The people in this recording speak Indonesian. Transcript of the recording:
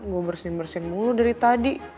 gue bersin bersin mulu dari tadi